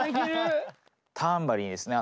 タンバリンっすね